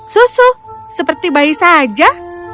susu seperti bayi saja